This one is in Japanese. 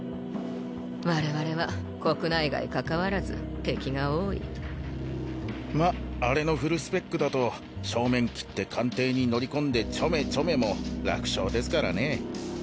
我々は国内外かかわらず敵が多いまっあれのフルスペックだと正面切って官邸に乗り込んでチョメチョメも楽勝ですからね